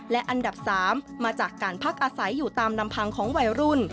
และอันดับ๓มาจากการพักอาศัยอยู่ตามลำพังของวัยรุ่น